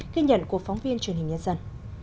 ghi nhận của phóng viên truyền hình nhân dân